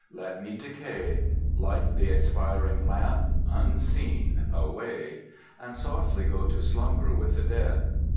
Let me decay, Like the expiring lamp, unseen, away, And softly go to slumber with the dead.